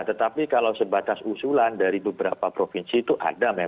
tetapi kalau sebatas usulan dari beberapa provinsi itu ada memang